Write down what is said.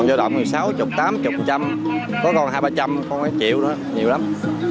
giờ động thì sáu mươi tám mươi một trăm linh có còn hai trăm linh ba trăm linh không phải triệu nữa nhiều lắm